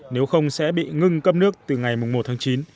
nếu không sẽ bị ngưng cấp nước từ ngày một tháng chín